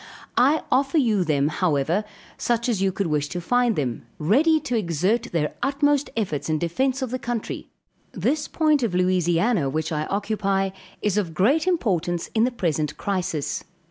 I offer you them, however, such as you could wish to find them, ready to exert their utmost efforts in defence of the country. This point of Louisiana, which I occupy, is of great importance in the present crisis.